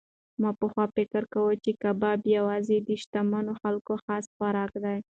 ما پخوا فکر کاوه چې کباب یوازې د شتمنو خلکو خاص خوراک دی.